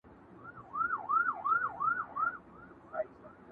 تا چي رنګ د ورور په وینو صمصام راوړ،